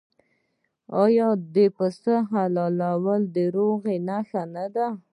آیا د پسونو حلالول د روغې نښه نه ده؟